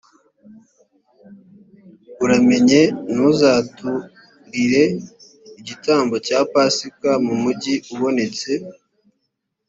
uramenye ntuzaturire igitambo cya pasika mu mugi ubonetse